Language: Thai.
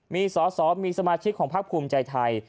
มีสอสอมีสมาชิกของพักภูมิใจไทย